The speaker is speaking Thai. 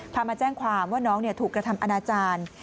มาแจ้งความว่าน้องถูกกระทำอนาจารย์